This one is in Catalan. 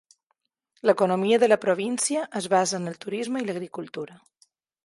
L'economia de la província es basa en el turisme i l'agricultura.